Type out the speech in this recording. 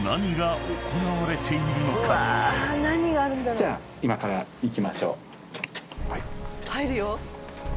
じゃ今から行きましょう。